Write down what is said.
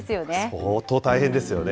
相当大変ですよね。